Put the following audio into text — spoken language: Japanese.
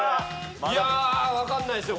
いや分かんないっすよ